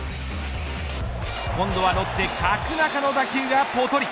今度はロッテ角中の打球がぽとり。